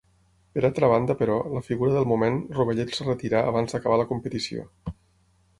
Per altra banda, però, la figura del moment, Rovellet es retirà abans d'acabar la competició.